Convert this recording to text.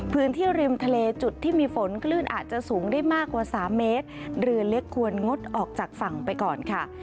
พื้นที่ริมทะเลจุดที่มีฝนคลื่นอาจจะสูงได้มากกว่าสามเมตรเรือเล็กควรงดออกจากฝั่งไปก่อนค่ะ